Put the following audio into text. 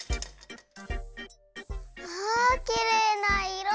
わきれいないろ！